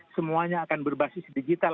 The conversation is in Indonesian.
semuanya akan berbasis digital